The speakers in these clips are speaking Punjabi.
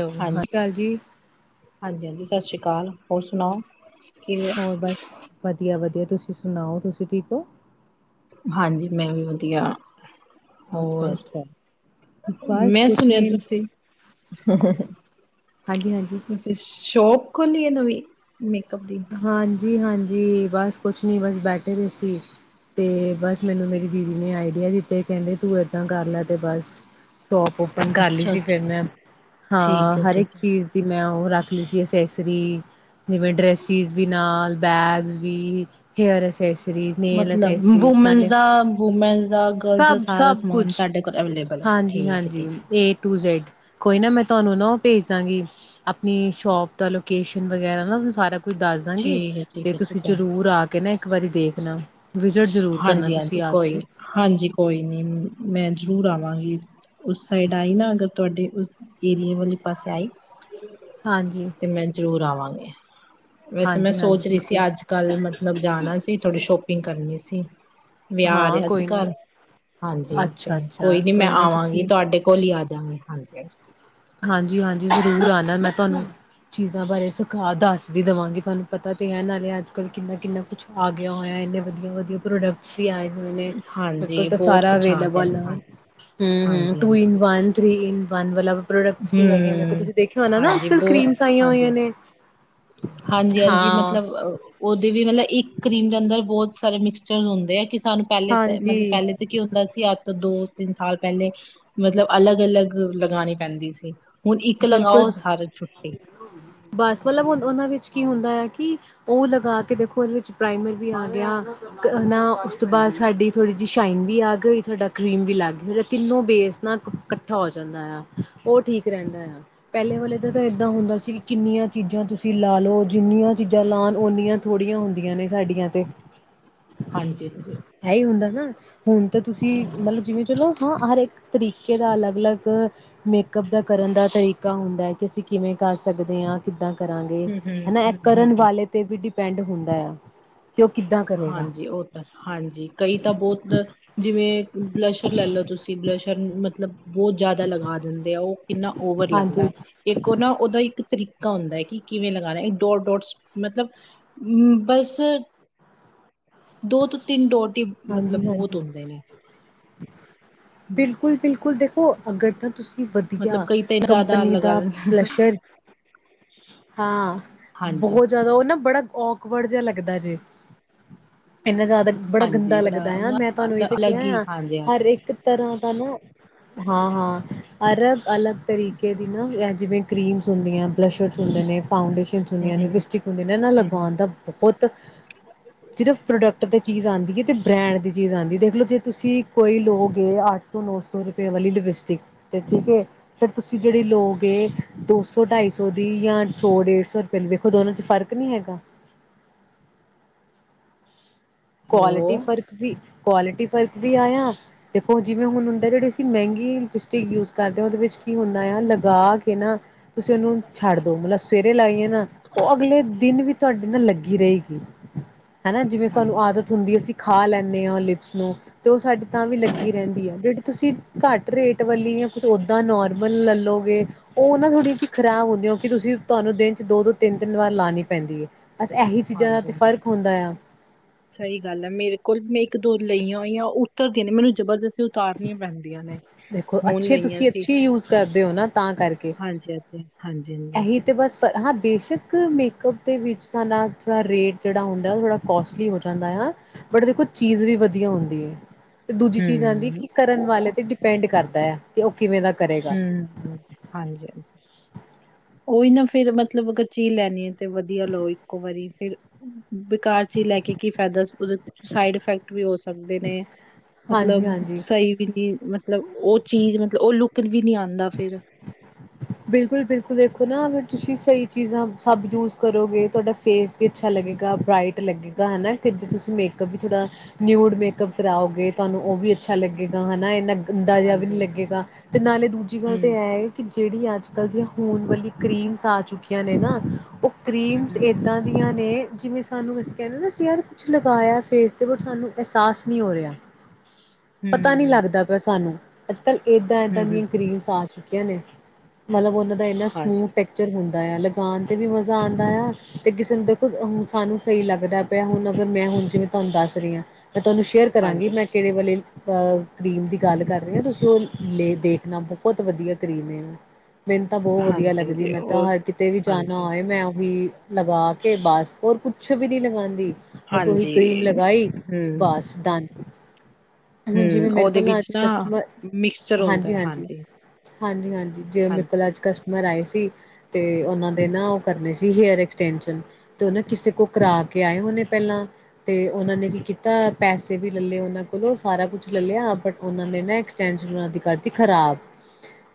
ਹੈਲੋ ਹਾ ਹਾਂਜੀ, ਕਾਲ ਜੀ ਕਾਲ ਹੋਰ ਸੁਣਾਓ ਕਿਵੇਂ ਹੋਰ ਬਸ ਵਧੀਆ ਵਧੀਆ ਤੁਸੀਂ ਸੁਣਾਓ ਤੁਸੀਂ ਠੀਕ ਹੋ ਹਾਂਜੀ ਮੈਂ ਵੀ ਵਧੀਆ ਅੱਛਾ ਹੋਰ ਅੱਛਾ। ਬਸ ਮੈਂ ਕੁਛ ਸੁਣਿਆ ਨੀ ਤੁਸੀਂ ਹਾਂਜੀ ਹਾਂਜੀ। ਤੁਸੀਂ ਸ਼ੋ ਖੱਲੀ ਐ ਨਵੀਂ ਮੇਕਅਪ ਦੀ ਜੀ ਹਾਂਜੀ ਬਸ ਕੁਛ ਨਹੀਂ ਬਸ ਬੈਠੇ ਰ ਸੀ ਤੇ ਬਸ ਮੈਨੂੰ ਮੇਰੀ ਦੀਦੀ ਨੇ ਆਈਡੀਆ ਦਿੱਤੇ ਕਹਿੰਦੇ ਤੂੰ ਏਦਾਂ ਕਰ ਲੈ ਤੇ ਬਸ ਸ਼ੋਪ ਓਪਨ ਕਰ ਲਈ ਸੀ ਫਿਰ ਅੱਛਾ-ਅੱਛਾ ਮੈਂ ਹਾਂ ਠੀਕ ਹੈ ਹਰ ਇੱਕ ਠੀਕ ਹੈ ਚੀਜ਼ ਦੀ ਮੈਂ ਉਹ ਰੱਖ ਲੀ ਸੀ ਅਸੈਸਰੀ ਨਵੇਂ ਡਰੈੱਸ ਨਾਲ ਬੈਗ ਵੀ ਹੇਅਰ ਅ ਮਤਲਬ ਵੂਮਨਸ ਦਾ ਵੂਮੈਸ ਦਾ ਗਰਲਜ਼ ਦਾ ਸਭ ਸਾਰਾ ਸਭ ਸਮਾਨ ਕੁਛ ਤੁਹਾਡੇ ਕੋਲ ਅਵਲੇਬਲ ਹੈ ਠੀਕ ਹੈ ਹਾਂਜੀ-ਹਾਂਜੀ ਠੀਕ ਏ ਟੂ ਜ਼ੈਡ ਕੋਈ ਨਾ ਮੈਂ ਤੁਹਾਨੂੰ ਨਾ ਉਹ ਭੇਜ ਦਾਂਗੀ ਆਪਣੀ ਸ਼ੋਪ ਦਾ ਲੋਕੇਸ਼ਨ ਵਗੈਰਾ ਨਾ ਤੁੂੰ ਸਾਰਾ ਕੁਝ ਦੱਸ ਦਾਂਗੀ ਠੀਕ ਹੈ ਤੇ ਠੀਕ ਹੈ ਤੁਸੀਂ ਠੀਕ ਹੈ ਜ਼ਰੂਰ ਆ ਕੇ ਨਾ ਇੱਕ ਵਾਰੀ ਦੇਖ ਨਾ ਹਾਂਜੀ ਹਾਂਜੀ ਕੋਈ ਨੀ ਹਾਂਜੀ ਕੋਈ ਨੀ ਮੈਂ ਜ਼ਰੂਰ ਆਵ ਹਾਂਜੀ ਉਸ ਸਾਈਡ ਆਈ ਨਾ ਅਗਰ ਤੁਹਾਡੇ ਉਸ ਏਰੀਏ ਵਾਲੇ ਪਾਸੇ ਆਈ ਹਾਂਜੀ, ਤੇ ਮੈਂ ਜ਼ਰੂਰ ਆਵਾਂ [unintelligible] ਵੈਸੇ ਮੈਂ ਹਾਂਜੀ-ਹਾਂਜੀ ਸੋਚ ਰਹੀ ਸੀ ਬਿਲਕੁਲ ਅੱਜ ਕੱਲ੍ਹ ਮਤਲਬ ਜਾਣਾ ਸੀ ਥੋੜੇ ਸ਼ੋ ਪਿੰਗ ਕਰਨੀ ਸੀ ੀ [unintelligible] ਵਿਆਹ ਆ ਹਾਂ ਰਿਹਾ ਸੀ ਕੋਈ ਨਾ ਘਰ ਹਾਂਜੀ ਤੇ ਅੱਛਾ-ਅੱਛਾ ਕੋਈ ਨੀ ਮੈਂ ਨਾ ਆਵਾਂਗੀ ਤੁਸੀਂ ਤੁਹਾਡੇ ਕੋਲ ਹੀ ਆਜਾਂਗੀ ਹਾਂਜੀ ਹਾਂਜੀ ਹਾਂਜੀ ਜ਼ਰੂਰ ਆਣਾ ਮੈਂ ਤੁਹਾਨੂੰ ਚੀਜ਼ਾਂ ਬਾਰੇ ਸਖਾ ਦੱਸ ਵੀ ਦੇਵਾਂਗੀ ਤੁਹਾਨੂੰ ਪਤਾ ਤੇ ਹੈ ਨਾਲੇ ਅੱਜ ਕੱਲ੍ਹ ਕਿੰਨਾ ਕਿੰਨਾ ਕੁਛ ਆ ਗਿਆ ਹੋਇਆ ਇੰਨੇ ਵਧੀਆ ਵਧੀਆ ਪ੍ਰੋਡਕਟਸ ਵੀ ਆਏ ਹੋਏ ਨੇ ਮੇਰੇ ਕੋਲ ਹਾਂਜੀ ਤਾਂ ਬਹੁਤ ਸਾਰਾ ਕੁਛ ਗਿਆ ਅਵੇਲੇਬਲ ਆ ਹਮ ਹਾਂਜੀ ਹਮ ਹਾਂਜੀ ਟੂ ਇਨ ਹਾਂਜੀ ਵਨ ਥ੍ਰਰੀ ਇਨ ਵਨ ਵਾਲਾ, ਪਰੋਡਕਸ ਵੀ ਹੈਗੇ ਮੇਰੇ ਕੋਲ ਹਮ। ਤੁਸੀਂ ਦੇਖਿਆ ਹੋਨਾ ਨਾ ਅੱਜ ਹਾਂਜੀ ਕੱਲ ਬਹੁਤ ਕਰੀਮਸ ਆਈਆਂ ਹੋਈਆਂ ਹਾਂਜੀ ਨੇ, ਹਾਂਜੀ ਹਾਂਜੀ ਹਾਂ ਮਤਲਬ ਉਹਦੇ ਵੀ ਮਤਲਬ ਇੱਕ, ਕਰੀਮ ਦੇ ਅੰਦਰ ਬਹੁਤ ਸਾਰੇ ਮਿਕਸਚਰ ਹੁੰਦੇ ਆ ਕਿ ਸਾਨੂੰ ਪਹਿਲੇ ਤੇ ਹਾਂਜੀ ਮਤਲਬ ਪਹਿਲੇ ਤੇ ਕੀ ਹੁੰਦਾ ਸੀ ਅ ਦੋ ਤਿੰਨ ਸਾਲ ਪਹਿਲੇ ਮਤਲਬ ਅਲੱਗ ਅਲੱਗ ਲਗਾਣੀ ਪੈਂਦੀ ਸੀ। ਹੁਣ ਇੱਕ ਲਗਾਓ ਬਿਲਕੁਲ ਸਾਰੀ ਛੁੱਟੀ। ਬਸ ਮਤਲਬ ਉਹਨਾਂ ਵਿੱਚ ਕੀ ਹੁੰਦਾ ਆ ਕਿ ਉਹ ਲਗਾ ਕੇ ਦੇਖੋ ਉਹਦੇ ਵਿੱਚ ਪ੍ਰਾਈਮਰ ਵੀ ਆ ਗਿਆ ਨਾ ਉਸ ਤੋਂ ਬਾਅਦ ਸਾਡੀ ਥੋੜ੍ਹੀ ਜਿਹੀ ਸ਼ਾਈਨ ਵੀ ਆ ਗਈ, ਸਾਡਾ ਕਰੀਮ ਵੀ ਲੱਗ ਗਈ, ਸਾਡਾ ਤਿੰਨੋ ਬੇਸ ਨਾ ਇਕੱਠਾ ਹੋ ਜਾਂਦਾ ਆ। ਉਹ ਠੀਕ ਰਹਿੰਦਾ ਐ ਪਹਿਲੇ ਵਾਲੇ ਦਾ ਤਾਂ ਇਦਾਂ ਹੁੰਦਾ ਸੀ ਕਿ ਕਿੰਨੀਆਂ ਚੀਜ਼ਾਂ ਤੁਸੀਂ ਲਾ ਲਓ ਜਿੰਨੀਆਂ ਚੀਜ਼ਾਂ ਲਾਉ ਉਨੀਆਂ ਥੋੜ੍ਹੀਆਂ ਹੁੰਦੀਆਂ ਨੇ ਸਾਡੀਆਂ ਤੇ ਹਾਂਜੀ ਹੈ ਹੀ ਹੁੰਦਾ ਨਾ ਹੁਣ ਤਾਂ ਤੁਸੀਂ ਮਤਲਬ ਜਿਵੇਂ ਚਲੋ ਹਾਂ ਹਰ ਇੱਕ ਤਰੀਕੇ ਦਾ ਅਲੱਗ-ਅਲੱਗ ਮੇਕਅਪ ਦਾ ਕਰਨ ਦਾ ਤਰੀਕਾ ਹੁੰਦਾ ਐ ਕਿ, ਅਸੀਂ ਕਿਵੇਂ ਕਰ ਸਕਦੇ ਆਂ ਕਿੱਦਾਂ ਕਰਾਂਗੇ ਹੂੰ ਹਨਾਂ, ਇਹ ਹੂੰ ਹੂੰ ਕਰਨ ਹੂੰ। ਵਾਲੇ ਤੇ ਵੀ ਡਿਪ ਪੈਂਡ ਹੁੰਦਾ ਆ ਕਿ ਉਹ ਕਿੱਦਾਂ ਕਰੇਗਾ ਹਾਂਜੀ, ਉਹ ਤਾਂ ਹਾਂਜੀ ਕਈ ਤਾਂ ਬਹੁਤ ਜਿਵੇਂ ਬਲੈਸ਼ਰ ਲੈ ਲਓ ਤੁਸੀਂ ਬਲੈਸ਼ਰ ਨੂੰ ਮਤਲਬ ਬਹੁਤ ਜ਼ਿਆਦਾ ਲਗਾ ਦਿੰਦੇ ਆ ਉਹ ਕਿੰਨਾ ਓਵਰ ਲੱਗਦਾ ਹਾਂਜੀ ਐ, ਇੱਕ ਉਹ ਨਾ ਉਹਦਾ ਇੱਕ ਤਰੀਕਾ ਹੁੰਦਾ ਐ ਕਿ ਕਿਵੇਂ ਲਗਾਣਾ, ਇੱਕ ਡੋਟ-ਡੋਟ ਡੋਟਸ ਮਤਲਬ ਬਸ ਦੋ ਤੋਂ ਤਿੰਨ ਡੋਟ ਤੇ ਮਤਲਬ ਬਹੁਤ ਹੁੰਦੇ ਨੇ ਬਿਲਕੁਲ ਬਿਲਕੁਲ ਦੇਖੋ ਉਹ ਅਗਰ ਤਾਂ ਤੁਸੀਂ ਮਤਲਬ ਵਧੀਆ ਕਈ ਤਾਂ ਜ਼ਿਆਦਾ ਕੰਪਨੀ ਲਗਾ ਦਾ ਦਿੰਦੇ ਬਲਸ਼ਰ ਹਾਂ। ਹਾਂਜੀ ਬਹੁਤ ਜ਼ਿਆਦਾ ਉਹ ਨਾ ਬੜਾ ਔਖ ਔੜ ਜਿਹਾ ਲੱਗਦਾ ਜੇ ਇੰਨਾ ਜ਼ਿਆਦਾ ਬੜਾ ਹਾਂਜੀ ਗੰਦਾ ਲੱਗਦਾ ਬੜਾ ਆ, ਨਾ ਮੈਂ ਤੁਹਾਨੂੰ ਇੱਥੇ ਅਲੱਗ ਹੀ ਕਿਹਾ ਆ ਹਾਂਜੀ। ਹਰ ਹੂੰ ਇੱਕ ਤਰ੍ਹਾਂ ਦਾ ਨਾ ਹਾਂ ਹਾਂ ਅਲਗ ਅਲੱਗ ਤਰੀਕੇ ਦੀ ਨਾ ਜਿਵੇਂ ਕਰੀਮਸ ਹੁੰਦੀਆਂ ਬਲਸ਼ਰਸ ਹੁੰਦੇ ਨੇ ਫਾਊਂਡੇਸ਼ਨਸ ਹੁੰਦੀਆਂ ਨੇ, ਹੂੰ ਲਪਿਸਟਿਕ ਹੁੰਦੀਆਂ ਨੇ ਇਹਨਾਂ ਹੂੰ ਹੂੰ। ਲਗਾਵਾਉਣ ਦਾ ਬਹੁਤ ਤੇ ਸਿਰਫ਼ ਪ੍ਰੋਡਕਟ ਦੀ ਚੀਜ਼ ਆਉਂਦੀ ਏ ਬ੍ਰੈਂਡ ਦੀ ਚੀਜ਼ ਆਉਂਦੀ ਦੇਖ ਲਓ ਜੇ ਤੁਸੀਂ ਕੋਈ ਲੋਗੇ ਅੱਠ ਸੌ ਨੋ ਸੌ ਰੁਪਏ ਵਾਲੀ ਲਿਪਸਟਿਕ ਤੇ ਠੀਕ ਐ, ਫਿਰ ਤੁਸੀਂ ਜਿਹੜੀ ਲੋਗੇ ਦੋ ਸੌ ਢਾਈ ਸੌ ਦੀ ਯਾਂ ਸੌ ਡੇਢ ਸੌ ਰੁਪਏ ਵੇਖੋ ਦੋਨਾਂ ਚ ਫਰਕ ਨਹੀਂ ਐ। ਹੈਲੋ ਕੁਆਲਿਟੀ ਫਰਕ ਵੀ ਕੁਆਲਿਟੀ ਫਰਕ ਵੀ ਆਇਆ ਦੇਖੋ ਜਿਵੇਂ ਹੁਣ ਹਦੇ ਜਿਹੜੇ ਮਹਿੰਗੀ ਲਿਪਿਸਟਿਕ ਯੂਜ਼ ਕਰਦੇ ਉਹਦੇ ਵਿੱਚ ਕੀ ਹੁੰਦਾ ਆ ਲ ਗਾਹਕ ਏ ਨਾ ਤੁਸੀਂ ਉਹਨੂੰ ਛੱਡ ਦੋ ਮਤਲਬ ਸਵੇਰੇ ਲਾਈਏ ਨਾ ਉਹ ਅਗਲੇ ਦਿਨ ਵੀ ਤੁਹਾਡੇ ਨਾਲ ਲੱਗੀ ਰਹੇਗੀ ਹੇਣਾ ਜਿਥੇ ਸਾਨੂੰ ਹਾਂਜੀ ਆਦਤ ਹੁੰਦੀ ਹੈ ਸੀ ਪ ਖਾ ਲੈਂਦੇ ਹੋ ਲਿਪਸ ਨੂੰ ਤੇ ਉਹ ਸਾਡੀੇ ਤਾਂ ਵੀ ਲੱਗੀ ਰਹਿੰਦੀ ਆ ਜਿਹੜੀ ਤੁਸੀਂ ਘੱਟ ਰੇਟ ਵਾਲੀ ਜਾਂ ਕੁਛ ਓਦਾਂ ਨੋਰਮਲ ਲੈਲੋਗੇ ਉਹ ਨਾ ਥੋੜ੍ਹੀ ਜਿਹੀ ਖਰਾਬ ਹੁੰਦੀ ਹੋ ਕਿ ਤੁਸੀਂ ਤੁਹਾਨੂੰ ਦਿਨ 'ਚ ਦੋ ਦੋ ਤਿੰਨ ਤਿੰਨ ਵਾਰ ਲਾਉਣੀ ਪੈਂਦੀ ਹੈ ਬਸ ਇਹੀ ਚੀਜ਼ਾਂ ਦਾ ਤੇ ਹਾਂਜੀ। ਫ਼ਰਕ ਹੁੰਦਾ ਆ ਸਹੀ ਗੱਲ ਹੈ ਮੇਰੇ ਕੋਲ ਮੈਂ ਇੱਕ ਦੋ ਲਈਆਂ ਹੋਈਆਂ ਉੱਤਰਦੀਆਂ ਨੇ ਮੈਨੂੰ ਜਬਰਦਸਤ ਉਤਾਰਨੀਆਂ ਪੈਂਦੀਆਂ ਨੇ ਦੇਖੋ ਹੋਣ ਅੱਛੇ ਲਈਆਂ ਤੁਸੀਂ ਸੀ ਅੱਛੀ ਯੂਜ ਹਾਂਜੀ ਕਰਦੇ ਹੋ ਨਾ ਤਾਂ ਕਰਕੇ ਹਾਂਜੀ ਹਾਂਜੀ ਹਾਂਜੀ ਹਾਂਜੀ ਇਹੀ ਤੇ ਬਸ ਫ ਹਾਂ ਬੇਸ਼ੱਕ ਮੇਕਅਪ ਦੇ ਵਿੱਚ ਸਾਾਨਾ ਥੋੜ੍ਹਾ ਰੇਟ ਜਿਹੜਾ ਹੁੰਦਾ ਉਹ ਥੋੜ੍ਹਾ ਕੋਸਟਲੀ ਹੋ ਜਾਂਦਾ ਆ ਬਟ ਦੇਖੋ ਚੀਜ਼ ਵੀ ਵਧੀਆ ਹੁੰਦੀ ਹੈ ਤੇ ਦੂਜੀ ਚੀਜ਼ ਆਉਂਦੀ ਹਮ ਕਿ ਕਰਨ ਵਾਲੇ ਤੇ ਡਿਪੈਂਡ ਕਰਦਾ ਤੇ ਤਯੋ ਹਮ ਹਾਂਜੀ ਹਾਂਜੀ ਉਹੀ ਨਾ ਫੇਰ ਮਤਲਬ ਅਗਰ ਚੀਜ਼ ਲੈਣੀ ਹੈ ਤੇ ਵਧੀਆ ਲਓ ਇੱਕੋ ਵਾਰੀ ਕਿਲ ਬੇਕਾਰ ਚੀਜ਼ ਲੈ ਕੇ ਕੀ ਫਾਇਦਾ ਉਹਦੇ ਸਾਈਡ ਇਫੈਕਟ ਵੀ ਹੋ ਸਕਦੇ ਨੇ ਹਾਂਜੀ ਮਤਲਬ ਹਾਂਜੀ ਸਹੀ ਵੀ ਨਹੀ ਮਤਲਬ ਉਹ ਚੀਜ਼ ਮਤਲਬ ਉਹ ਲੁੱਕ ਤੂ ਵੀ ਨਹੀਂ ਆਉਂਦਾ ਫਿਰ ਬਿਲਕੁਲ ਬਿਲਕੁਲ ਦੇਖੋ ਨਾ ਅਗਰ ਤੁਸੀਂ ਸਹੀ ਚੀਜ਼ਾਂ ਸਭ ਯੂਜ ਕਰੋਗੇ ਤੁਹਾਡਾ ਫੇਸ ਵੀ ਅੱਛਾ ਲੱਗੇਗਾ ਬ੍ਰਈਟ ਲੱਗੇਗਾ ਹੇਨਾ ਕਿ ਜੇ ਤੁਸੀਂ ਮੇਕਅੱਪ ਵੀ ਥੋੜ੍ਹਾ ਨਿਊਡ ਮੇਕਅਪ ਕਰਾਓਗੇ ਤੁਹਾਨੂੰ ਉਹ ਵੀ ਅੱਛਾ ਹਮ ਲੱਗੇਗਾ ਹਨਾ ਇੰਨਾ ਗੰਦਾ ਜਿਹਾ ਵੀ ਹਾਂਜੀ ਨਹੀ ਹਾਂਜੀ ਲੱਗੇਗਾ ਤੇ ਨਾਲੇ ਦੂਜੀ ਗੱਲ ਤੇ ਇਹ ਹਮ ਹੈ। ਕਿ ਜਿਹੜੀ ਅੱਜ ਕੱਲ ਦੀ ਹੂਣ ਵਾਲੀ ਕਰੀਮਸ ਆ ਚੁੱਕੀਆਂ ਨੇ ਨਾ ਉਹ ਹਮ ਕਰੀਮਸ ਹਮ ਇੱਦਾਂ ਦੀਆਂ ਨੇ ਜਿਵੇਂ ਸਾਨੂੰ ਅਸੀਂ ਕਹਿੰਦੇ ਨਾ ਅਸੀਂ ਯਾਰ ਕੁਛ ਲਗਾਇਆ ਫੇਸ ਤੇ ਬਟ ਸਾਨੂੰ ਅਹਿਸਾਸ ਨਹੀਂ ਹੋ ਰਿਹਾ। ਪਤਾ ਨੀ ਹਮ ਲੱਗਦਾ ਪਿਆ ਸਾਨੂੰ ਅੱਛਾ ਕੱਲ੍ਹ ਇੱਦਾਂ ਏਦਾਂ ਹਮ ਹਮ ਦੀਆਂ ਗ੍ਰਰੀਨ ਸਾਸ ਚੁੱਕਿਆ ਨੇ। ਮਤਲਬ ਉਹਨਾਂ ਦਾ ਇੰਨਾ ਹਾਂਜੀ ਸਮੂਥ ਟੈਕਚਰ ਹੁੰਦਾ। ਲਗਾਉਣ ਤੇ ਵੀ ਮਜ਼ਾ ਆਉਂਦਾ ਆ ਤੇ ਕਿਸੇ ਨੂੰ ਦੇਖੋ ਸਾਨੂੰ ਸਹੀ ਲੱਗਦਾ ਪਿਆ ਹੁਣ ਅਗਰ ਮੈਂ ਹੁਣ ਜਿਵੇਂ ਤੁਹਾਨੂੰ ਦੱਸ ਰਹੀ ਹਾਂ। ਮੈਂ ਤੁਹਾਨੂੰ ਸ਼ੇਅਰ ਕਰਾਂਗੀ ਹਾਂਜੀ, ਮੈਂ ਕਿਹੜੇ ਵਾਲੇ ਅਹ ਕਰੀਮ ਦੀ ਗੱਲ ਕਰ ਰਹੇ ਹੋ ਤੁਸੀਂ ਉਹ ਲ ਦੇਖਣਾ ਬਹੁਤ ਵਧੀਆ ਕਰੀਮ ਹੈ। ਮੈਨੂੰ ਤਾਂ ਬਹੁਤ ਵਧੀਆ ਲੱਗਦੀ ਹਾਂਜੀ-ਹਾਂਜੀ ਮੈਂ ਤਾਂ ਹਰ ਉਸ ਕਿਤੇ ਵੀ ਜਾਣਾ ਹਾਂਜੀ, ਹੋਏ ਮੈਂ ਉਹੀ ਲਗਾ ਕੇ ਬਸ ਹੋਰ ਕੁੱਛ ਵੀ ਨਹੀਂ ਲਗਾਉਂਦੀ। ਬਸ ਓਹੀ ਹਾਂਜੀ ਕਰੀਮ ਹਾਂਜੀ ਲਗਾਈ ਹੂੰ, ਬਸ ਦ ਹੁਣ ਹੂੰ ਜਿਵੇਂ ਮੇਰੇ ਉਹਦੇ ਕੋਲ ਨਾ ਵਿੱਚ ਅੱਜ ਕਸਟਮਰ ਮਿਕਸਚਰ ਹੁੰਦਾ ਹੈ। ਹਾਂਜੀ-ਹਾਂਜੀ- ਹਾਂਜੀ, ਹਾਂਜੀ-ਹਾਂਜੀ ਹਾਂਜੀ [unintelligible] ਕਸਟਮਰ ਆਏ ਸੀ ਤੇ ਉਹਨਾਂ ਦੇ ਨਾ ਉਹ ਕਰਨੇ ਸੀ ਹੇਅਰ ਐਕਸਟੈਂਸ਼ਨ ਤੇ ਉਹ ਨਾ ਕਿਸੇ ਕੋਲ ਕਰਾ ਕੇ ਆਏ ਹੋਣੇ ਪਹਿਲਾਂ ਤੇ ਉਹਨਾਂ ਨੇ ਕੀ ਕੀਤਾ ਪੈਸੇ ਵੀ ਲੈ ਲਏ ਉਹਨਾਂ ਕੋਲੋਂ ਸਾਰਾ ਕੁਛ ਲੈ ਲਿਆ ਬਟ ਉਹਨਾਂ ਨੇ ਨਾ ਐਕਸਟੈਂਸ਼ਨ ਉਹਨਾਂ ਦੀ ਕਰਤੀ ਖਰਾਬ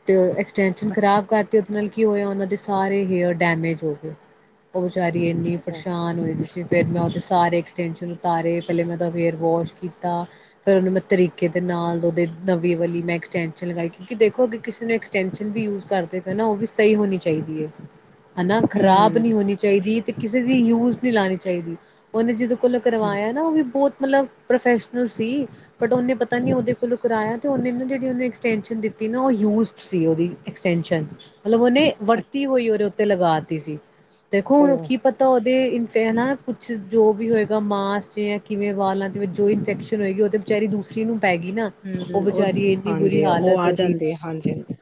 ਤੇ ਐਕਸਟੈਨਸ਼ਨ ਅੱਛਾ ਖਰਾਬ ਕਰਤੀ ਉਹਦੇ ਨਾਲ ਕੀ ਹੋਇਆ ਉਹ ਸਾਰੇ ਹੇਅਰ ਡੈਮੇਜ ਹੋ ਗਏ ਉਹ ਬੇਚਾਰੀ ਇੰਨੀ ਉਹ ਪਰੇਸ਼ਾਨ ਹੋਈ ਪਈ ਸੀ ਫਿਰ ਮੈਂ ਉਹਦੇ ਸਾਰੇ ਐਕਸਟੈਂਸ਼ਨ ਉਤਾਰੇ ਪਹਿਲੇ ਮੈਂ ਉਹਦਾ ਹੇਅਰ ਵੋਸ਼ ਕੀਤਾ ਫਿਰ ਉਹਨੇ ਮੈਂ ਤਰੀਕੇ ਦੇ ਨਾਲ ਉਹਦੇ ਨਵੀਂ ਵਾਲੀ ਮੈਂ ਐਕਸਟੈਂਸ਼ਨ ਲਗਾਈ ਕਿਉਂਕਿ ਦੇਖੋ ਅੱਗੇ ਕਿਸੇ ਨੇ ਐਕਸਟੈਨਸ਼ਨ ਵੀ ਯੂਜ ਕਰਦੇ ਪਏ ਨਾ ਉਹ ਵੀ ਸਹੀ ਹੋਣੀ ਚਾਹੀਦੀ ਹੈ। ਹੈਨਾ ਖ਼ਰਾਬ ਹੂੰ, ਨਹੀਂ ਹੋਣੀ ਚਾਹੀਦੀ। ਕਿਸੇ ਦੀ ਯੂਜ਼ ਨਹੀਂ ਲਾਣੀ ਚਾਹੀਦੀ ਉਹਨੇ ਜ ਕੁਲ ਹੂੰ ਕਰਵਾਇਆ ਨਾ ਉਹ ਵੀ ਬਹੁਤ ਮਤਲਬ ਪ੍ਰੋਫੈਸ਼ਨਲ ਸੀ ਬਟ ਉਹਨੇ ਪਤਾ ਨ ਉਹਦੇ ਕੋਲੋਂ ਕਰਵਾਇਆ ਤੇ ਉਹਨੇ ਨਾ ਜਿਹੜੀ ਉਹਨੇ ਐਕਸਟੈਨਸ਼ਨ ਦਿੱਤੀ ਨਾ ਉਹ ਯੂਜ਼ ਸੀ ਉਹਦੀ ਐਕਸਟੈਂਸ਼ਨ। ਮਤਲਬ ਉਹਨੇ ਅੱਛਾ ਵਰਤੀ ਹੋਈ ਉਹ ਤੇ ਲਗਾ ਦਿੱਤੀ ਸੀ। ਦੇਖੋ ਹੁਣ ਉਹ ਕੀ ਪਤਾ ਉਹ ਅਤੇ ਇਨਫ ਹੈ ਨਾ ਕੁਛ ਜੋ ਵੀ ਹੋਏਗਾ ਮਾਸ ਜ ਜਾਂ ਕਿਵੇਂ ਵਾਲਾਂ ਦੇ ਵਿੱਚ ਜੋ ਇਨਫੈਕਸ਼ਨ ਹੋਏਗੀ ਉਹ ਤਾਂ ਵਿ ਚਾਰੀ ਦੂਸਰੀ ਨੂੰ ਪੈ ਗਈ ਨਾ ਉਹ ਹੂੰ ਬੇਚਾਰੀ ਇੰਨੀ ਬੁਰੀ ਹਾਂਜੀ ਉਹ ਹਾਲਤ ਆ ਉਹਦੀ। ਜਾਂਦੇ ਹਾਂਜੀ-ਹਾਂਜੀ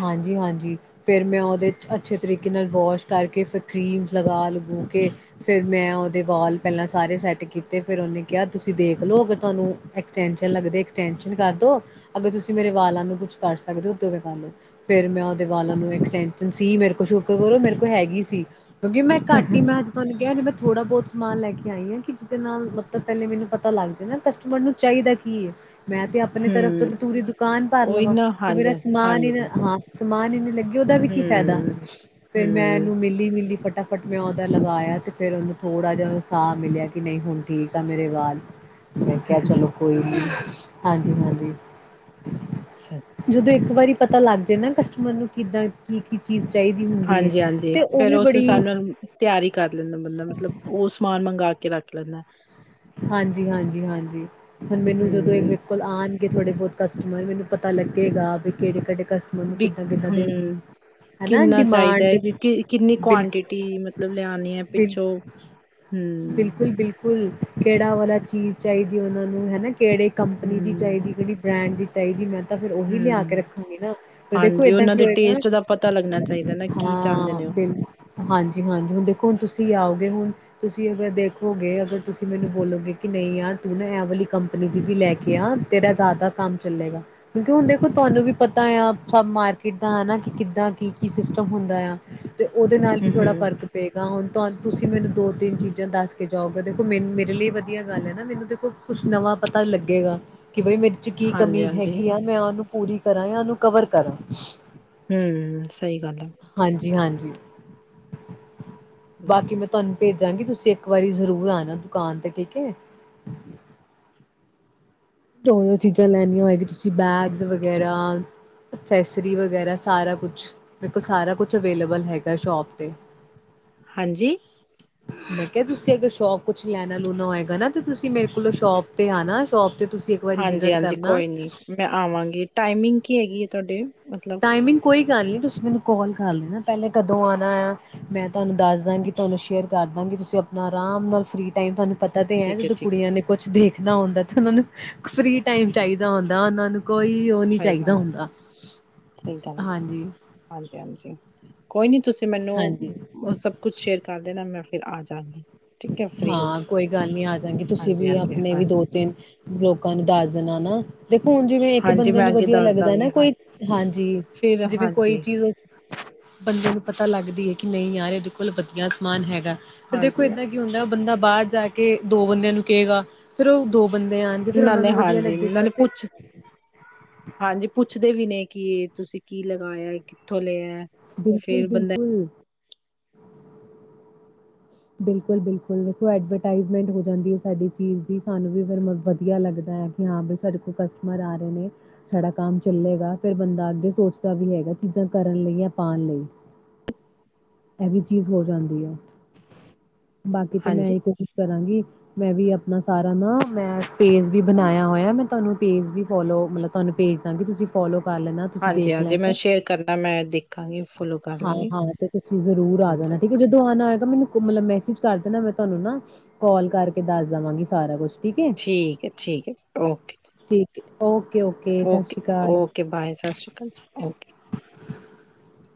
ਹਾਂਜੀ-ਹਾਂਜੀ ਫਿਰ ਮੈਂ ਉਹਦੇ ਅੱਛੇ ਤਰੀਕੇ ਨਾਲ ਵੋਸ਼ ਕਰਕੇ ਫਿਰ ਕਰੀਮ ਲਗਾ ਲੁਗੇ ਕੇ ਫਿਰ ਮੈਂ ਉਹਦੇ ਵਾਲ ਪਹਿਲਾਂ ਸਾਰੇ ਸੈੱਟ ਕੀਤੇ ਫਿਰ ਉਹਨੇ ਕਿਹਾ ਤੁਸੀਂ ਦੇਖ ਲਓ ਅਗਰ ਤੁਹਾਨੂੰ ਐਕਸਟੈਂਸ਼ਨ ਲੱਗਦੇ ਐਕਸਟੈਂਸ਼ਨ ਕਰਦੋ ਅਗਰ ਤੁਸੀਂ ਮੇਰੇ ਵਾਲਾਂ ਨੂੰ ਕੁਛ ਕਰ ਸਕਦੇ ਹੋ ਉਦੋਂ ਮੈਂ ਕਰ ਲਓ ਫਿਰ ਮੈਂ ਉਹਦੇ ਵਾਲਾਂ ਨੂੰ ਐਕਸਟੈਂਸ਼ਨ ਸੀ ਮੇਰੇ ਕੋਲ ਸ਼ੁਕਰ ਕਰੋ ਮੇਰੇ ਕੋਲ ਹੈਗੀ ਸੀ। ਕਿਉਂਕਿ ਮ ਘਟ ਹੀ ਮੈਂ ਅਜ ਤੁਹਾਨੂੰ ਕਿਹਾ ਥੋੜਾ ਬਹੁਤ ਸਮਾਨ ਲੈ ਕੇ ਆਈ ਹ ਕਿ ਜਿਹਦੇ ਨਾਲ ਮਤਲਬ ਪਹਿਲੇ ਮੈਨੂੰ ਪਤਾ ਲੱਗ ਜਾ ਨਾ ਕਸਟਮਰ ਨੂੰ ਚਾਹੀਦਾ ਕੀ ਹੈ। ਮੈਂ ਤੇ ਆਪਣੇ ਤਰਫ਼ ਹੂੰ ਤੋਂ ਤੂਰੀ ਦੁਕਾਨ ਭਰ ਉਹੀ ਲਵਾਂ। ਨਾ ਹਾਂਜੀ, [unintelligible] ਸਮਾਨ ਹਾਂਜੀ-ਹਾਂਜੀ ਹੀੇ ਨਹੀ ਲੱਗਿਆ ਉਹਦਾ ਵੀ ਕੀ ਫਾਇਦਾ ਹੂੰ, ਫਿਰ ਮੈਂ ਹੂੰ ਉਹਨੂੰ ਮਿਲੀ-ਮਿਲੀ ਫਟ ਫਟਾਫਟ ਮੈਂ ਉਹਦਾ ਲਗਾਇਆ ਫਿਰ ਉਹਨੂੰ ਥੋੜ੍ਹਾ ਜਿਹਾ ਸਾਹ ਮਿਲਿਆ ਕਿ ਨਹੀਂ ਹੁਣ ਠੀਕ ਆ ਮੇਰੇ ਵਾਲ। ਮੈਂ ਕਿਹਾਿਆ ਚਲੋ ਕੋਈ ਨਾ ਹਾਂਜੀ-ਹਾਂਜੀ ਅੱਛਾ ਜਦੋਂ ਇੱਕ ਵਾਰੀ ਪਤਾ ਲੱਗ ਜੇ ਨਾ ਕਸਟਮਰ ਨੂੰ ਕਿੱਦਾਂ ਕੀ-ਕੀ ਚੀਜ਼- ਚਾਹੀਦੀ ਹੁੰਦੀ ਹੈ ਹਾਂਜੀ-ਹਾਂਜੀ ਤੇ ਉਹ ਫਿਰ ਵੀ ਉਸ ਬੜੀ ਹਿਸਾਬ ਨਾਲ ਤਿਆਰੀ ਕਰ ਲੈਂਦਾ ਬੰਦਾ ਮਤਲਬ ਉਹ ਸਮਾਨ ਮੰਗਾ ਕੇ ਰੱਖ ਪਲ [inaudible] ਹਾਂਜੀ-ਹਾਂਜੀ-ਹਾਂਜੀ ਹੁਣ ਮੈਨੂੰ ਜਦੋਂ ਇਹ ਹੂੰ ਬਿਲਕੁਲ ਆਣ ਕੇ ਥੋੜੇ ਬਹੁਤ ਕਸਟਮਰ ਵੀ ਨੂ ਪਤਾ ਲੱਗੇਗਾ ਵੀ ਕਿਹੜੇ-ਕਿਹੜੇ ਵੀ ਹਮ ਹਨਾ ਕਿੰਨਾ ਚਾਹੀਦਾ ਡਿਮਾਂਡ ਹੈ ਦੇ ਵਿੱਚ ਕਿ ਕਿੰਨੀ ਬਿਲ ਕੁਆਂਟਿਟੀ, ਮਤਲਬ ਲਿਆਉਣੀ ਹੈ ਪਿੱਛੋਂ ਹਮ ਬਿਲਕੁਲ-ਬਿਲਕੁਲ ਕੁਲ ਕਿਹੜਾ ਵਾਲਾ ਚੀਜ਼ ਚਾਹੀਦੀ ਉਹਨਾਂ ਨੂੰ ਹੈਨਾ। ਕਿਹੜੀ ਕੰਪਨੀ ਦੀ ਹਮ ਚਾਹੀਦੀ, ਕਿਹੜੀ ਬ੍ਰਾਂਡ ਦੀ ਚਾਹੀਦੀ ਮੈਂਨੂ ਤਾਂ ਫਿਰ ਉਹੀ ਲਿਆ ਕੇ ਹਮ ਰੱਖਾਂਗੇ ਨਾ, ਫਿਰ ਦੇਖੋ ਹਾਂਜੀ ਏਦਾਂ ਉਹਨਾਂ ਕੀ ਦੇ ਹੋਏਗਾ ਟੇਸਟ ਦਾ ਪਤਾ ਲੱਗਣਾ ਚਾਹੀਦਾ ਨਾ ਕੀ ਚਾਹੁੰਦੇ ਹਾਂ ਨੇ ਉਹ ਬਿਲੁ ਹਾਂਜੀ-ਹਾਂਜੀ ਹੁਣ ਦੇਖੋ ਹੁਣ ਤੁਸੀਂ ਆਓਗੇ ਹੁਣ ਤੁਸੀਂ ਅਗਰ ਦੇਖੋਗੇ ਅਗਰ ਤੁਸੀਂ ਮੈਨੂੰ ਬੋਲੋਗੇ ਕਿ ਨਹੀਂ ਯਾਰ ਤੁਸੀਂ ਅਗਰ ਦੇਖੋਗੇ ਅਗਰ ਤੁਸੀ ਮੈਨੂੰ ਬੋਲੋਗੇ ਇਹ ਵਾਲੀ ਕੰਪਨੀ ਦੀ ਵੀ ਲੈ ਕੇ ਆ ਤੇਰਾ ਜ਼ਿਆਦਾ ਕੰਮ ਚੱਲੇਗਾ ਕਿਉਂਕਿ ਹੁਣ ਦੇਖੋ ਤੁਹਾਨੂੰ ਵੀ ਪਤਾ ਆ ਸ ਮਾਰਕੀਟ ਦਾ ਹੈ ਨਾ ਕਿ ਕਿੱਦਾਂ ਕੀ ਕੀ ਸਿਸਟਮ ਹੁੰਦਾ ਆ ਅਤੇ ਉਹਦੇ ਨਾਲ ਵੀ ਹਮ ਥੋੜ੍ਹਾ ਹਮ ਫ਼ਰਕ ਪਏਗਾ ਹੁਣ ਤੁਹਾਨੂ ਤੁਸੀਂ ਮੈਨੂੰ ਦੋ ਤਿੰਨ ਚੀਜ਼ਾਂ ਦੱਸ ਕੇ ਜਾਊਗੇ ਦੇਖੋ ਮੈਨੂੰ ਮੇਰੇ ਲਈ ਵਧੀਆ ਗੱਲ ਹੈ ਨਾ, ਮੈਨੂੰ ਦੇਖੋ ਕੁਛ ਨਵਾਂ ਪਤਾ ਲੱਗੇਗਾ। ਕਿ ਬਈ ਮੇਰੇ ਚ ਕੀ ਹਾਂਜੀ ਕਮੀ ਹਾਂਜੀ ਹੈਗੀ ਆ ਮੈਂ ਉਹਨੂੰ ਪੂਰੀ ਕਰਾਂ ਜਾਂ ਉਹਨੂੰ ਕਵਰ ਕਰਾਂ। ਹੂ ਸਹੀ ਗੱਲ ਹੈ। ਜੀ [inaudible] ਹਾਂਜੀ ਬਾਕੀ ਮੈਂ ਤੁਹਾਨੂੰ ਭੇਜਾਂਗੀ ਤੁਸੀਂ ਇੱਕ ਵਾਰੀ ਜ਼ਰੂਰ ਆਣਾ ਦੁਕਾਨ ਤੇ ਠੀਕ ਹੈ। ਜੋ ਚੀਜ਼ਾਂ ਲੈਣੀਆਂ ਹੋਏਗੀ ਤੁਸੀਂ ਬੈਗਸ ਵਗੈਰਾ, ਅਸੈਸਰੀ ਵਗੈਰਾ ਸਾਰਾ ਕੁਛ ਮੇਰੇਕੋਲ ਸਾਰਾ ਕੁਛ ਅਵੇਲੇਬਲ ਹੈਗਾ ਸ਼ੋਪ ਤੇ। ਹਾਂਜੀ। ਮੈਂ ਕਿਹਾ ਤੁਸੀਂ ਅਗਰ ਸ਼ੋਪ ਕੁਛ ਲੈਣਾ ਲੂਣਾ ਹੋਏਗਾ ਨਾ ਤੇ ਤੁਸੀਂ ਮੇਰੇ ਕੋਲੋਂ ਸ਼ੋਪ ਤੇ ਆਨਾ ਸ਼ੋਪ ਤੇ ਤੁਸੀਂ ਇੱਕ ਵਾਰੀ ਵਿਜਿਟ ਹਾਂਜੀ-ਹਾਂਜੀ ਕਰਨਾ ਕੋਈ ਨੀ ਮੈਂ ਆਵਾਂਗੀ ਟਾਈਮਿੰਗ ਕੀ ਹੈਗੀ। ਤੁਹਾਡੇ ਮਤਲਬ ਟਾਈਮਿੰਗ ਕੋਈ ਕੋਈ ਗੱਲ ਨੀ ਤੁਸੀਂ ਮੈਨੂੰ ਕਾਲ ਕਰ ਲੇਨਾ ਪਹਿਲੇ ਕਦੋਂ ਆਉਣਾ ਆ ਮੈਂ ਤੁਹਾਨੂੰ ਦੱਸ ਦਾਂਗੀ ਤੁਹਾਨੂੰ ਸ਼ੇਅਰ ਕਰਦਾਂਗੀ ਤੁਸੀਂ ਆਪਣਾ ਅਰਾਮ ਨਾਲ ਫ੍ਰੀ ਟਾਈਮ ਤੁਹਾਨੂੰ ਪਤਾ ਤੇ ਹੈ, ਠੀਕ ਜਦੋਂ ਠੀਕ ਹੈ ਕੁੜੀਆਂ ਨੇ ਕੁਛ ਦੇਖਣਾ ਹੁੰਦਾ ਤਾਂ ਉਹਨਾਂ ਨੂੰ ਫ੍ਰੀ ਟਾਈਮ ਚਾਹੀਦਾ ਹੁੰਦਾ ਉਹਨਾਂ ਨੂੰ ਕੋਈ ਉਹ ਨੀ ਸਹੀ ਚਾਹੀਦਾ ਗੱਲ ਹੈ ਹੁੰਦਾ ਸਹੀ ਗੱਲ ਸੀ, ਹਾਂਜੀ ਹਾਂਜੀ ਹਾਂ ਜੀ, ਕੋਈ ਨੀ ਤੁਸੀਂ ਤੇ ਮੈਨੂੰ, ਹਾਂਜੀ ਉਹ ਸਭ ਕੁੱਛ ਸ਼ੇਅਰ ਕਰ ਦੇਣਾ, ਮੈਂ ਫਿਰ ਆ ਜਾਗੀ ਠੀਕ ਹੈ ਫ੍ਰਰੀ ਹੋ ਹਾਂ, ਕੇ ਕੋਈ ਗੱਲ ਨੀ ਆ ਜਾਂਗੀ। ਤੁਸੀਂ ਹਾਂਜੀ ਵੀ ਹਾਂਜੀ ਆਪਣੇ ਵੀ ਹਾਂਜੀ ਦੋ ਤਿੰਨ ਲੋਕਾਂ ਨੂੰ ਦੱਸ ਦੇਣਾ ਨਾ ਦੇਖੋ ਹੁਣ ਜਿਵੇਂ ਇੱਕ ਹਾਂਜੀ ਬੰਦੇ ਮੈਂ ਨੂੰ ਅੱਗੇ ਵਧੀਆ ਦੱਸ ਲੱਗਦਾ ਦਾਂਗੀ ਨਾ ਹਾਂ ਕੋਈ, ਹਾਂਜੀ, ਫਿਰ ਜਿਵੇਂ ਕੋਈ ਹਾਂਜੀ ਚੀਜ਼ ਉਸ ਬੰਦੇ ਨੂੰ ਪਤਾ ਲੱਗਦੀ ਹੈ। ਕਿ ਨਹੀਂ ਯਾਰ ਇਹਦੇ ਕੋਲ ਵਧੀਆ ਸਮਾਨ ਹੈਗਾ। ਫਿਰ ਏਦਾਂ ਹਾਂਜੀ ਦੇਖੋ ਕੀ ਹੁੰਦਾ ਉਹ ਬੰਦਾ ਬਾਦ ਜਾ ਕੇ ਦੋ ਬੰਦਿਆਂ ਨੂੰ ਕੇਗਾ ਫਿਰ ਔ ਦੋ ਬੰਦੇ ਆਣਗੇ ਫਿਰ ਉਹਨਾਂ ਨਾਲੇ ਨੂੰ ਵਧੀਆ ਹਾਂਜੀ, ਲੱਗੇਗਾ ਨਾਲੇ ਫਿਰ ਪੁੱਛ, ਹਾਂਜੀ ਪੁੱਛਦੇ ਵੀ ਨੇ ਕੀ ਤੁਸੀਂ ਕੀ ਲਗਾਇਆ? ਕਿੱਥੋਂ ਲਿਆ? ਬਿਲਕੁਲ ਫਿਰ ਬੰਦਾ ਬਿਲਕੁਲ ਬਿਲਕੁਲ ਬਿਲਕੁਲ, ਇੱਥੇ ਐਡਵਰਟਾਈਜਮੈਂਟ ਹੋ ਜਾਂਦੀ ਆ ਸਾਡੀ ਚੀਜ਼ ਦੀ। ਸਾਨੂੰ ਵੀ ਫੇਰ ਵਧੀਆ ਲੱਗਦਾ ਵੀ ਹਾਂ ਬਈ ਸਾਡੇ ਕੋਲ ਕਸਟ੍ਮਰ ਆ ਰਹੇ ਨੇ ਸਾਡਾ ਕੰਮ ਚੱਲੇਗਾ। ਫਿਰ ਬੰਦਾ ਅਗੇ ਸੋਚਦਾ ਵੀ ਹੈਗਾ ਚੀਜ਼ਾਂ ਕਰਨ ਲਈ ਜਾ ਪਾਣ ਲਈ। ਆ ਵੀ ਚੀਜ਼ ਹੋ ਜਾਂਦੀ ਆ। ਬਾਕੀ ਤੇ ਮੈਂ ਹਾਂਜੀ ਇਹੀ ਕੋਸ਼ਿਸ਼ ਕਰਾਂਗੀ ਮੈਂ ਵੀ ਆਪਣਾ ਸਾਰਾ ਨਾ ਮੈਂ ਪੇਜ ਵੀ ਬਣਾਇਆ ਹੋਇਆ। ਮੈਂ ਤੁਹਾਨੂੰ ਪੇਜ ਵੀ ਫੋਲੋ, ਮਤਲਬ ਤੁਹਾਨੂੰ ਭੇਜ ਦਾਂਗੀ ਤੁਸੀਂ ਫੋਲੋ ਕਰ ਲੈਣਾ ਤੁਸੀਂ ਹਾਂਜੀ ਦੇਖ ਹਾਂਜੀ ਮੈਂ ਲੈਣਾ। ਸ਼ੇਅਰ ਕਰਨਾ ਮੈਂ ਦੇਖਾਂਗੀ ਫੋਲੋ ਕਰ ਹਾਂ ਲਾਂਗੀ ਹਾਂ ਤੇ ਤੁਸੀਂ ਜ਼ਰੂਰ ਆ ਜਾਣਾ ਹਾਂਜੀ ਠੀਕ ਹੈ, ਜਦੋਂ ਆਉਣਾ ਹੋਏਗਾ ਮੈਨੂੰ ਮੈਸੇਜ ਕਰ ਦੇਣਾ। ਮੈਂ ਤੁਹਾਨੂੰ ਨਾ ਕਾੱਲ ਕਰਕੇ ਦੱਸ ਦੇਵਾਂਗੀ ਸਾਰਾ ਕੁਛ ਠੀਕ ਹੈ ਠੀਕ ਹੈ, ਠੀਕ ਹੈ, ਜੀ ਔਕੇ ਜੀ। ਇਕ ਉਹ ਔ ਕੇ, ਔ ਕੇ ਬਾਏ, ਸਤਿ ਸ਼੍ਰੀ ਅਕਾਲ ਜੀ।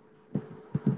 ਖਾਲੀ [unintelligible]